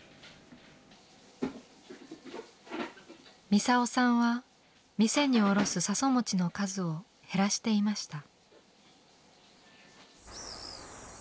ミサオさんは店に卸す笹餅の数を減らしていました。